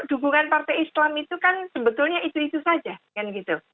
dukungan partai islam itu kan sebetulnya itu itu saja kan gitu